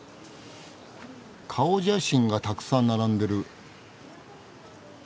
顔写真がたくさん並んでる。